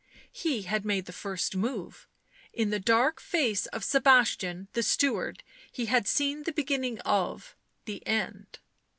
He had made the first move ; in the dark face of Sebastian the steward he had seen the beginning of — the end.